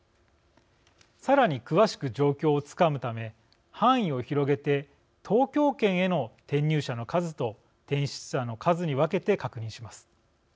さらに詳しく状況をつかむため範囲を広げて東京圏への転入者の数と転出者の数に分けて確認します。